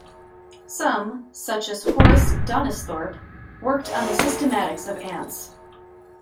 Some, such as Horace Donisthorpe, worked on the systematics of ants.